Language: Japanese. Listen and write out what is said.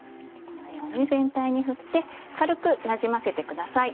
このように全体に振って軽くなじませてください。